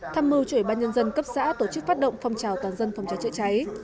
thăm mưu chuỗi ban nhân dân cấp xã tổ chức phát động phòng trào toàn dân phòng cháy chữa cháy